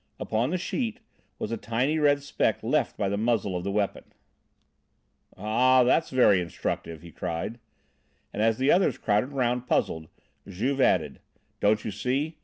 Upon the sheet was a tiny red speck left by the muzzle of the weapon. "Ah! that's very instructive!" he cried. And as the others crowded round, puzzled, Juve added: "Don't you see?